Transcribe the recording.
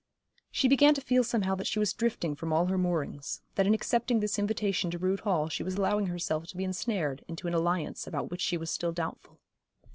She began to feel somehow that she was drifting from all her moorings, that in accepting this invitation to Rood Hall she was allowing herself to be ensnared into an alliance about which she was still doubtful.